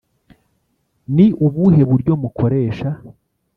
Ni ubuhe buryo mukoresha